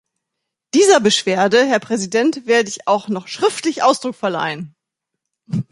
Dieser Beschwerde, Herr Präsident, werde ich auch noch schriftlich Ausdruck verleihen.